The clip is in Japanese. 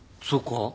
そうか？